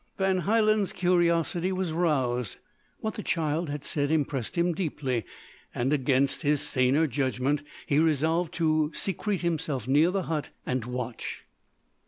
Van Hielen's curiosity was roused. What the child had said impressed him deeply; and against his saner judgment he resolved to secrete himself near the hut and watch.